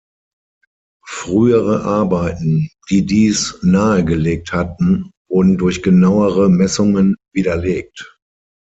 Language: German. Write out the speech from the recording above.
Frühere Arbeiten, die dies nahegelegt hatten, wurden durch genauere Messungen widerlegt.